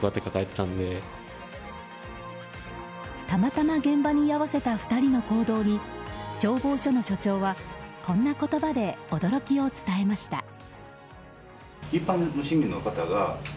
たまたま現場に居合わせた２人の行動に消防署の署長はこんな言葉で驚きを伝えました。